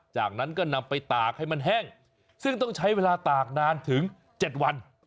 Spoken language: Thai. จากนั้นก็นำไปตากให้มันแห้งซึ่งต้องใช้เวลาตากนานถึง๗วัน